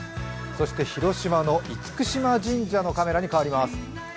そして広島の厳島神社のカメラに変わります。